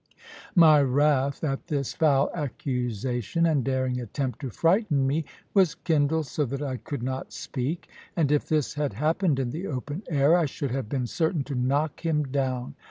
My wrath at this foul accusation, and daring attempt to frighten me, was kindled so that I could not speak; and if this had happened in the open air, I should have been certain to knock him down.